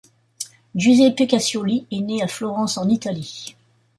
Giuseppe Cassioli est né à Florence en Italie.